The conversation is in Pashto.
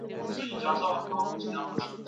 د هېواد اقتصادي وضعیت په بشپړه توګه ویجاړ سو.